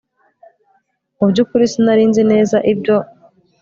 Mu byukuri sinari nzi neza ibyo